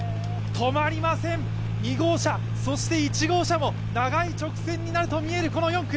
止まりません、２号車、そして１号車も長い直線に見える４区。